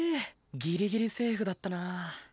ギリギリセーフだったな。